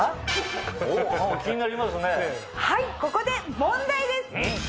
はいここで問題です！